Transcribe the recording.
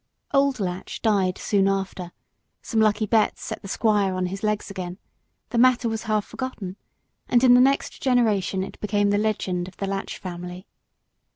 Old Latch died soon after, some lucky bets set the squire on his legs again, the matter was half forgotten, and in the next generation it became the legend of the Latch family.